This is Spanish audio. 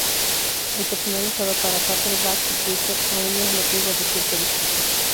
El personal usado para "Paperback Writer" aún es motivo de cierta disputa.